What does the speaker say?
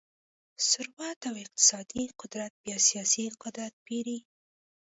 ثروت او اقتصادي قدرت بیا سیاسي قدرت پېري.